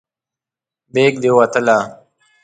بیک دې وتله.